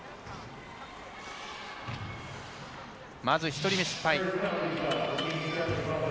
まず１人目、失敗。